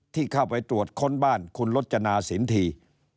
ที่เข้าไปตรวจค้นบ้านคุณลจนาสินที